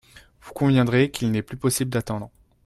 Vous conviendrez qu’il n’est plus possible d’attendre.